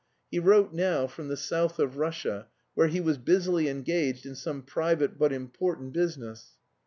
He wrote now from the south of Russia, where he was busily engaged in some private but important business.